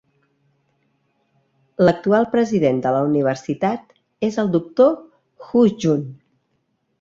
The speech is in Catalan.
L'actual president de la universitat és el doctor Hu Jun.